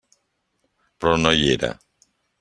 Però no hi era.